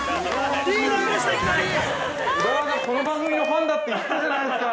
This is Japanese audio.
◆この番組のファンだって言ったじゃないですか。